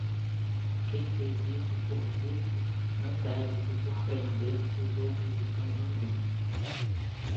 Quem fez isso por burros não deve se surpreender se os outros estão andando.